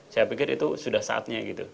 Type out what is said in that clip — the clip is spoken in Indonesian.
saya pikir itu sudah saatnya gitu